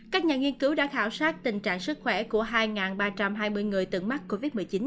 các nhà nghiên cứu đã khảo sát tình trạng sức khỏe của hai ba trăm hai mươi người từng mắc covid một mươi chín